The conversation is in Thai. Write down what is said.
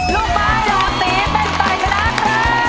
ลูกไม้หลากสีเป็นต่อยขนาดเติม